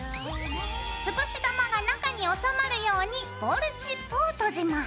つぶし玉が中に収まるようにボールチップを閉じます。